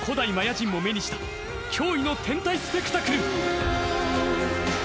人も目にした驚異の天体スペクタクル。